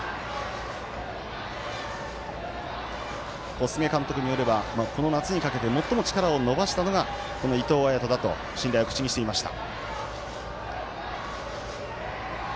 小菅監督によればこの夏にかけて最も力を伸ばしたのがこの伊藤彩斗だと信頼を口にしていました。